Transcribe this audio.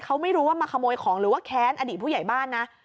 เขาไม่รู้ว่ามาขโมยของหรือว่าแค้นอดีตผู้ใหญ่บ้านนะ